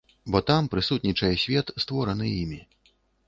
Бо там прысутнічае свет, створаны імі.